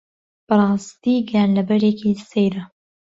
بەڕاستی گیانلەبەرێکی سەیرە